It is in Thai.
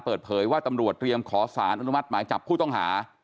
เปิดเผยว่าตำรวจเตรียมขอสารอนุมัติหมายจับผู้ต้องหา